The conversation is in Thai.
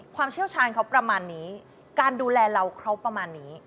เชี่ยวชาญเขาประมาณนี้การดูแลเราครบประมาณนี้